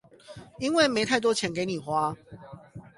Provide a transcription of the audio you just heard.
因為沒太多錢給你花